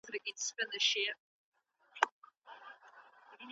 زمرد واړه نه وي.